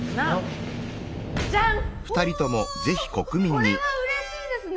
これはうれしいですね。